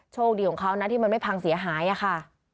โชคดีของเขานะที่มันไม่พังเสียหายอะค่ะ